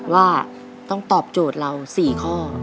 ว่าต้องตอบโจทย์เรา๔ข้อ